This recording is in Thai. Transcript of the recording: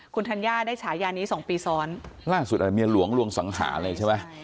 คุณธัญญาได้ฉายานี้สองปีซ้อนล่าสุดอะไรเมียหลวงลวงสังหารเลยใช่ไหม